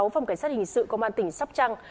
phòng cảnh sát hình sự công an tỉnh sóc trăng